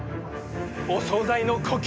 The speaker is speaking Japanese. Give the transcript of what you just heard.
お総菜の呼吸！